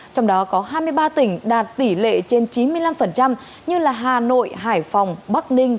trong đó có hai mươi ba tỉnh đạt tỷ lệ trên chín mươi năm như hà nội hải phòng bắc ninh